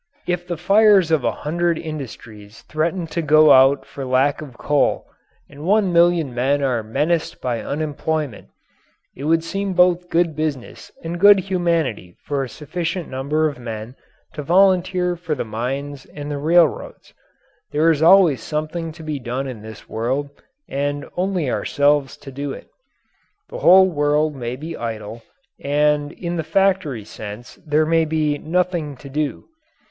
If the fires of a hundred industries threaten to go out for lack of coal, and one million men are menaced by unemployment, it would seem both good business and good humanity for a sufficient number of men to volunteer for the mines and the railroads. There is always something to be done in this world, and only ourselves to do it. The whole world may be idle, and in the factory sense there may be "nothing to do."